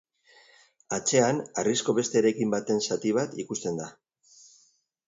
Atzean, harrizko beste eraikin baten zati bat ikusten da.